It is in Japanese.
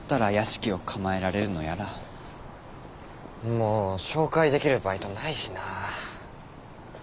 もう紹介できるバイトないしなぁ。